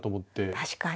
確かに。